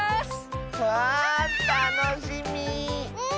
わたのしみ！